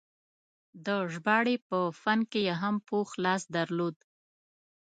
د ژباړې په فن کې یې هم پوخ لاس درلود.